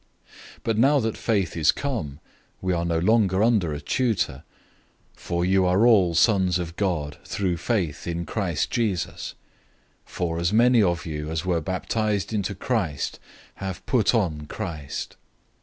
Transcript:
003:025 But now that faith has come, we are no longer under a tutor. 003:026 For you are all children of God, through faith in Christ Jesus. 003:027 For as many of you as were baptized into Christ have put on Christ.